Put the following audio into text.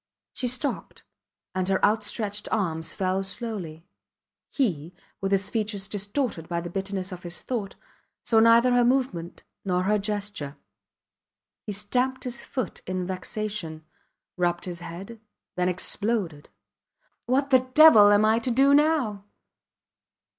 She stopped, and her outstretched arms fell slowly. He, with his features distorted by the bitterness of his thought, saw neither her movement nor her gesture. He stamped his foot in vexation, rubbed his head then exploded. What the devil am I to do now?